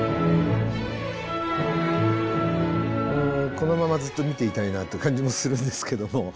このままずっと見ていたいなって感じもするんですけども。